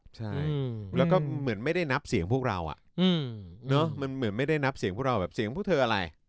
ใช่แล้วก็เหมือนไม่ได้นับเสียงพวกเรามันเหมือนไม่ได้นับเสียงพวกเราแบบเสียงพวกเธออะไร